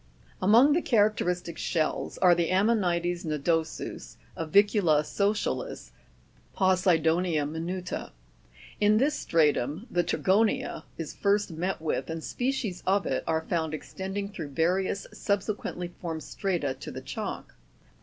31. Among the characteristic shells are the tfmmoni'tes nodo'sus (fig. 62) ; Ji'vi'mla socia'lis (fig. 63). Possido'nia minu'ta (fig. 64). In this stratum the Trigo'nia ( fig. 65) is first met with, and species of it are found extending through various subsequently formed strata to the chalk.